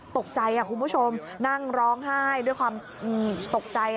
ตกใจคุณผู้ชมนั่งร้องไห้ด้วยความตกใจ